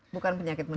bukan penyakit menular